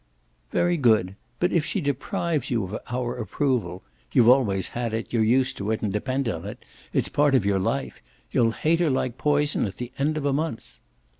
"Very good. But if she deprives you of our approval you've always had it, you're used to it and depend on it, it's a part of your life you'll hate her like poison at the end of a month."